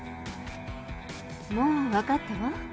もう分かったわ。